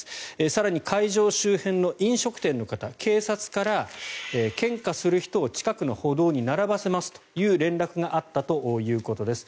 更に会場周辺の飲食店の方警察から献花する人を近くの歩道に並ばせますという連絡があったということです。